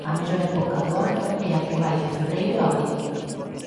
A mellor época do ano é a que vai de febreiro a abril.